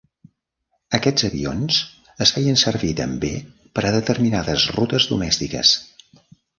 Aquests avions es feien servir també per a determinades rutes domèstiques.